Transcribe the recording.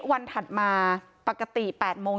ความปลอดภัยของนายอภิรักษ์และครอบครัวด้วยซ้ำ